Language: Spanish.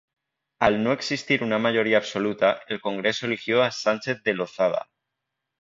Al no existir una mayoría absoluta, el Congreso eligió a Sánchez de Lozada.